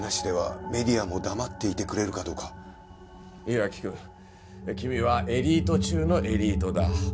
磐城くん君はエリート中のエリートだ。